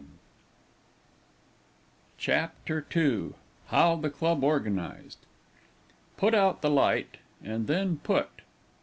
HOW THE CLUB ORGANIZED. Put out the light, and then put.